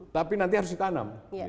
tapi nanti harus ditanam